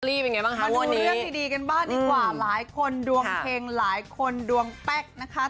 มาดูเรื่องดีกันบ้างดีกว่าหลายคนดวงเฮงหลายคนดวงแป๊กนะคะ